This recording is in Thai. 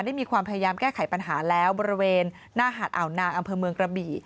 มีความพยายามแก้ไขปัญหาแล้วบริเวณหน้าหาดอ่าวนางอำเภอเมืองกระบี่